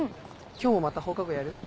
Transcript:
今日もまた放課後やる？